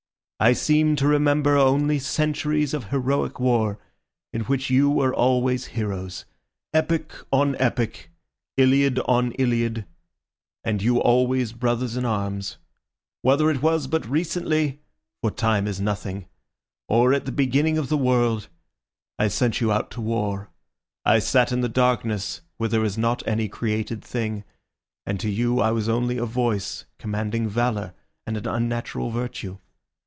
I seem to remember only centuries of heroic war, in which you were always heroes—epic on epic, iliad on iliad, and you always brothers in arms. Whether it was but recently (for time is nothing), or at the beginning of the world, I sent you out to war. I sat in the darkness, where there is not any created thing, and to you I was only a voice commanding valour and an unnatural virtue.